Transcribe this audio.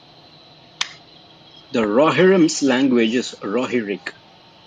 The Rohirrim's language is Rohirric.